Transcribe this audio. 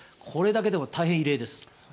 これだけでも大変異例です。